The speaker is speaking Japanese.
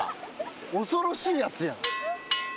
恐ろしいやつや。